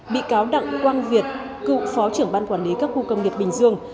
bị cáo đặng quang việt cựu phó trưởng ban quản lý các khu công nghiệp bình dương